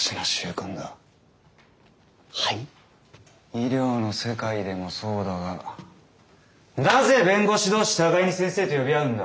医療の世界でもそうだがなぜ弁護士同士互いに先生と呼び合うんだ？